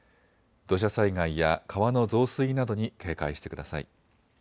土砂災害や川の増水などに警戒してください。